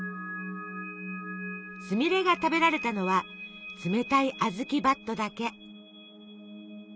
すみれが食べられたのは冷たいあずきばっとだけ。